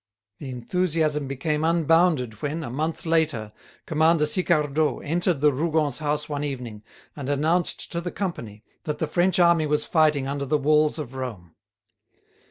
The enthusiasm became unbounded when, a month later, Commander Sicardot entered the Rougons' house one evening and announced to the company that the French army was fighting under the walls of Rome.